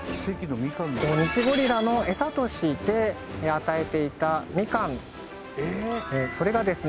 ニシゴリラのエサとして与えていたミカンそれがです